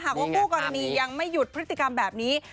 หากว่าคู่กรณียังไม่หยุดพฤติกรรมแบบนี้